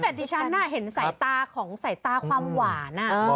แต่ที่ฉันหน้าเห็นใส่ตาของใส่ตาความหวาน